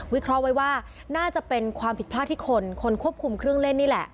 เคราะห์ไว้ว่าน่าจะเป็นความผิดพลาดที่คนคนควบคุมเครื่องเล่นนี่แหละ